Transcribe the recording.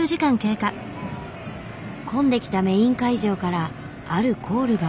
混んできたメイン会場からあるコールが。